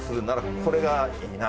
これがいいな。